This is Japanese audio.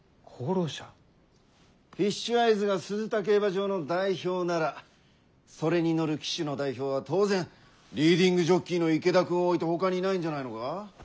フィッシュアイズが鈴田競馬場の代表ならそれに乗る騎手の代表は当然リーディングジョッキーの池田君をおいてほかにいないんじゃないのか？